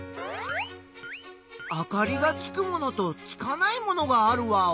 あかりがつくものとつかないものがあるワオ？